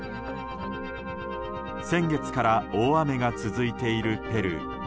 先月から大雨が続いているペルー。